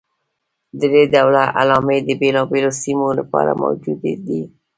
درې ډوله علامې د بېلابېلو سیمو لپاره موجودې دي.